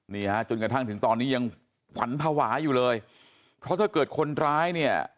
นี่ฮะจนกระทั่งถึงตอนนี้ยังขวัญภาวะอยู่เลยเพราะถ้าเกิดคนร้ายเนี่ย